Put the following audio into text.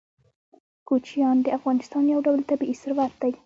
کوچیان د افغانستان یو ډول طبعي ثروت دی.